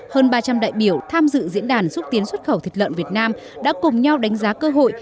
hơn ba trăm linh đại biểu tham dự diễn đàn xúc tiến xuất khẩu thịt lợn việt nam đã cùng nhau đánh giá cơ hội